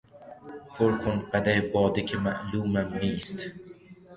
پرکن قدح باده که معلومم نیست...